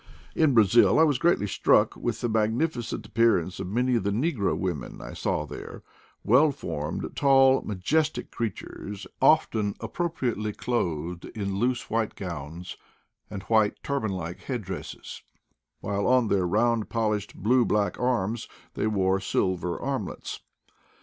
In Brazil, I was greatly struck with the magnifi cent appearance of many of the negro women I saw there; well formed, tall, majestic creatures, often appropriately clothed in loose white gowns and white turban like headdresses ; while on their round polished blue black arms they wore silver armlets.